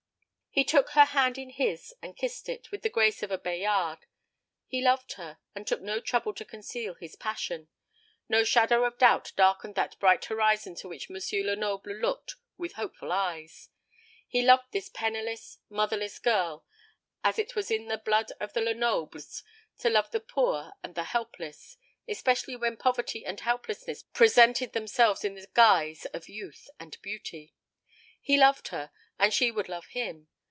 He took her hand in his, and kissed it, with the grace of a Bayard. He loved her, and took no trouble to conceal his passion. No shadow of doubt darkened that bright horizon to which M. Lenoble looked with hopeful eyes. He loved this penniless, motherless girl, as it was in the blood of the Lenobles to love the poor and the helpless; especially when poverty and helplessness presented themselves in the guise of youth and beauty. He loved her, and she would love him.